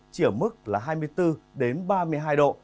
chỉ ở mức là hai mươi bốn đến ba mươi hai độ